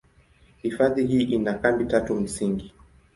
Hifadhi hii ina kambi tatu msingi.